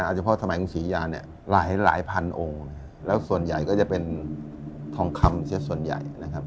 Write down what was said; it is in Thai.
เฉพาะสมัยกรุงศรียาเนี่ยหลายพันองค์แล้วส่วนใหญ่ก็จะเป็นทองคำเสียส่วนใหญ่นะครับ